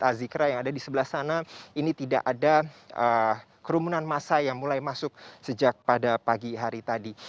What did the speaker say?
azikra yang ada di sebelah sana ini tidak ada kerumunan massa yang mulai masuk sejak pada pagi hari tadi